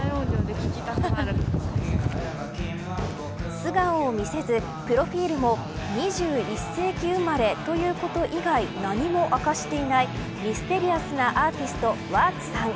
素顔を見せずプロフィルも２１世紀生まれ、ということ以外何も明かしていないミステリアスなアーティストＷｕｒｔＳさん。